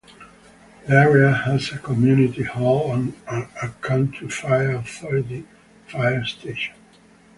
The area has a community hall and a Country Fire Authority fire station.